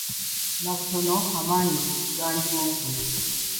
Nnabutono amaanyi gandi mu ggwe